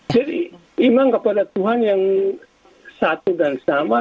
jadi iman kepada tuhan yang satu dan sama